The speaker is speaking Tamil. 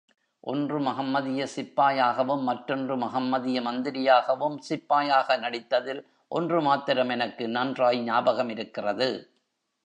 ஒன்று மகம்மதிய சிப்பாயாகவும் மற்றொன்று மகம்மதிய மந்திரியாகவும் சிப்பாயாக நடித்ததில் ஒன்று மாத்திரம் எனக்கு நன்றாய் ஞாபகமிருக்கிறது.